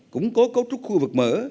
củng cố cấu trúc khu vực mở